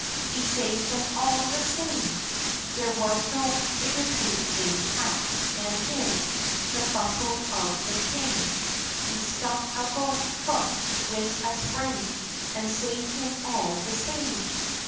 he saved him all the same, There was no bigotry in Pat, an' in the bussel of the king, He stuck a boat hook, with a spring, an' saved him all the same!